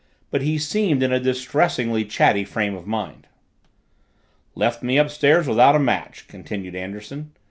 But he seemed in a distressingly chatty frame of mind. "Left me upstairs without a match," continued Anderson.